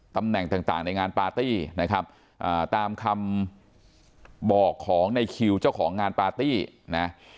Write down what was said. ตำแหน่งต่างต่างในงานปาร์ตี้นะครับตามคำบอกของในคิวเจ้าของงานปาร์ตี้นะ